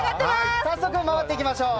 早速回っていきましょう。